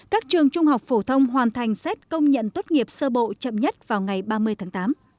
các trường trung học phổ thông hoàn thành xét công nhận tốt nghiệp sơ bộ chậm nhất vào ngày ba mươi tháng tám